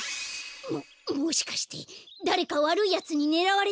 ももしかしてだれかわるいやつにねらわれているとか！？